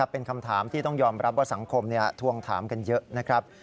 เป็นคำถามที่ต้องยอมรับว่าสังคมทวงถามกันเยอะนะครับ